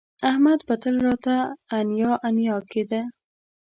احمد به تل راته انیا انیا کېده